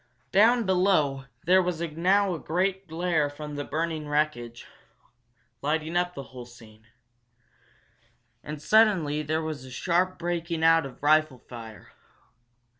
Down below there was now a great glare from the burning wreckage, lighting up the whole scene. And suddenly there was a sharp breaking out of rifle fire.